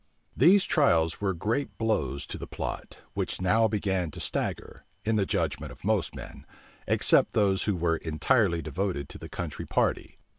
These trials were great blows to the plot, which now began to stagger, in the judgment of most men, except those who were entirely devoted to the country party.